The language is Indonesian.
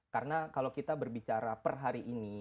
karena kalau kita berbicara per hari ini